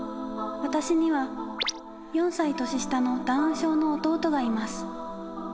私には４歳年下のダウン症の弟がいます。